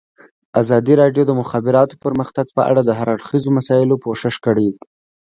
ازادي راډیو د د مخابراتو پرمختګ په اړه د هر اړخیزو مسایلو پوښښ کړی.